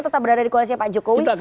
tetap berada di koalisinya pak jokowi